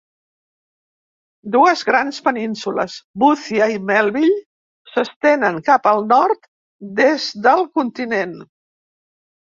Dues grans penínsules, Boothia i Melville, s'estenen cap al nord des del continent.